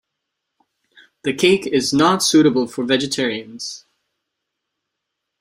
The cake is not suitable for vegetarians.